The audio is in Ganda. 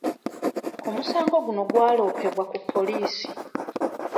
Omusango guno gwalopebwa ku poliisi.